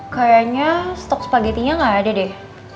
kayaknya stok spagettinya gak ada deh